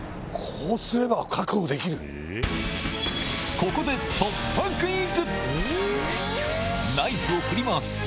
ここで突破クイズ！